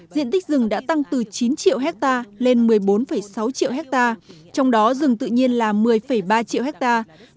diện tích rừng đã tăng từ chín triệu hectare lên một mươi bốn sáu triệu hectare trong đó rừng tự nhiên là một mươi ba triệu hectare